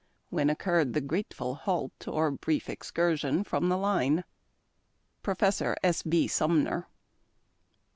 When occurred the grateful halt or brief excursion from the line? Prof, S. B. Sumner.